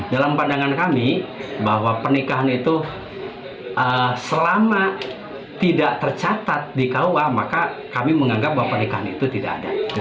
dalam pandangan kami bahwa pernikahan itu selama tidak tercatat di kua maka kami menganggap bahwa pernikahan itu tidak ada